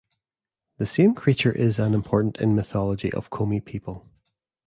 The same creature is an important in mythology of Komi people.